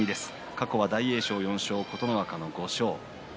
過去は大栄翔４勝琴ノ若の５勝。